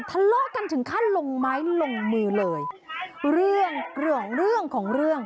ทะเลาะกันถึงขั้นลงไม้ลงมือเลยเรื่องเรื่องของเรื่อง